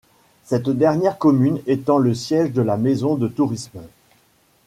Cette dernière commune étant le siège de la maison de tourisme.